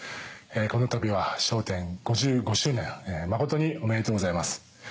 このたびは『笑点』５５周年誠におめでとうございます。